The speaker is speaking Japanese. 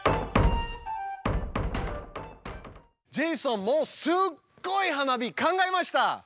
ジェイソンもすっごい花火考えました！